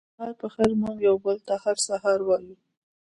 سهار پخېر موږ یو بل ته هر سهار وایو